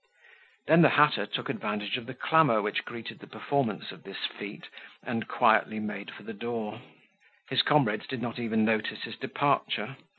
Then the hatter took advantage of the clamor which greeted the performance of this feat and quietly made for the door. His comrades did not even notice his departure.